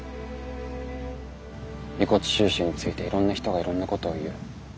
「遺骨収集についていろんな人がいろんなことを言う。